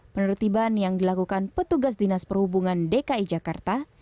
menurut iban yang dilakukan petugas dinas perhubungan dki jakarta